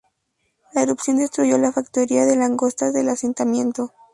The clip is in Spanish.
La erupción destruyó la factoría de langostas del asentamiento.